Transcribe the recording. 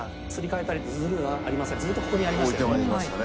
ずっとここにありましたよね。